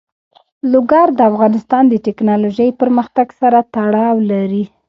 لوگر د افغانستان د تکنالوژۍ پرمختګ سره تړاو لري.